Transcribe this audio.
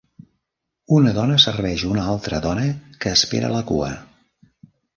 Una dona serveix una altra dona que espera a la cua.